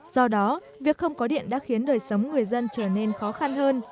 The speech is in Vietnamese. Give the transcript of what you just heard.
do đó việc không có điện đã khiến đời sống người dân trở nên khó khăn hơn